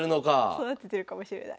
育ててるかもしれない。